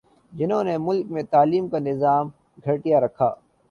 جہنوں نے ملک میں تعلیم کا نظام گٹھیا رکھا